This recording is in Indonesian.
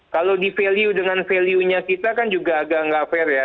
kalau di value dengan value nya kita kan juga agak nggak fair ya